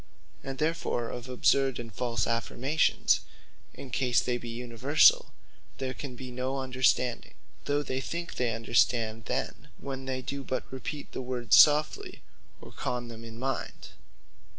And therefore of absurd and false affirmations, in case they be universall, there can be no Understanding; though many think they understand, then, when they do but repeat the words softly, or con them in their mind.